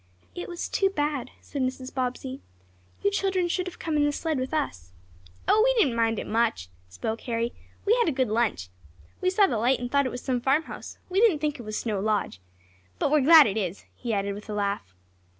"It was too bad," said Mrs. Bobbsey. "You children should have come in the sled with us." "Oh, we didn't mind it much," spoke Harry. "We had a good lunch. We saw the light and thought it was some farmhouse. We didn't think it was Snow Lodge. But we're glad it is," he added with a laugh.